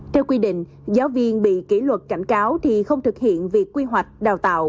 theo quy định giáo viên bị kỷ luật cảnh cáo thì không thực hiện việc quy hoạch đào tạo